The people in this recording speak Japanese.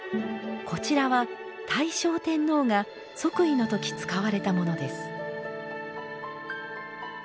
こちらは大正天皇が即位の時使われたものです。